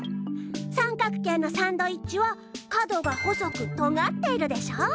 さんかく形のサンドイッチは角がほそくとがっているでしょ。